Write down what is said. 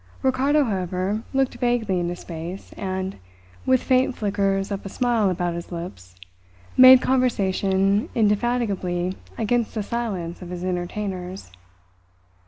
Ricardo, however, looked vaguely into space, and, with faint flickers of a smile about his lips, made conversation indefatigably against the silence of his entertainers.